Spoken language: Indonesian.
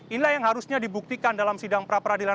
inilah yang harusnya dibuktikan dalam sidang pra peradilan